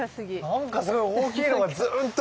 なんかすごい大きいのがズンと。